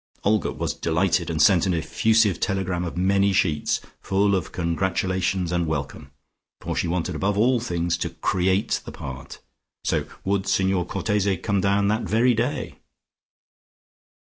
Olga was delighted and sent an effusive telegram of many sheets, full of congratulation and welcome, for she wanted above all things to "create" the part. So would Signor Cortese come down that very day?